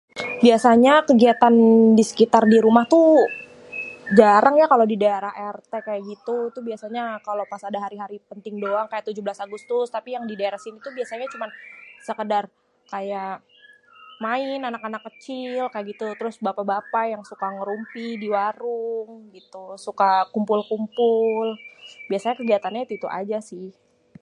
Biasanya kegiatan di sekitar di rumah tu, jarang ya kalo di daerah RT kayak gitu. Itu biasanya kalo pas ada hari-hari penting doang, kayak tujuh belas Agustus tapi yang di daerah sini tuh biasanya cuman sekedar kayak main anak-anak kecil kayak gitu. Terus bapak-bapak yang suka ngerumpi di warung, gitu suka kumpul-kumpul. Biasanya kegiatannya itu-itu aja sih.